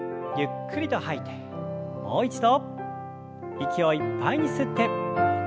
息をいっぱいに吸って。